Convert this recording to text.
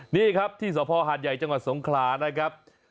นี่ครับที่สภหัดในจังหวัดสมฆาตร์นะครับ